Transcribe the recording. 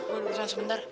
gue udah urusan sebentar